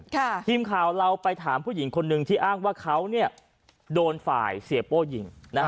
ทีมข่าวเราไปถามผู้หญิงคนนึงที่อ้างว่าเขาโดนฝ่ายเสียโป้ยิงนะฮะ